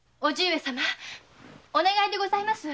お願いでございます。